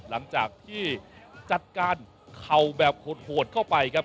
หลังจากที่จัดการเข่าแบบโหดเข้าไปครับ